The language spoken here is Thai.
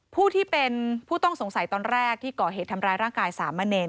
ผู้ที่เป็นผู้ต้องสงสัยตอนแรกที่ก่อเหตุทำร้ายร่างกายสามเณร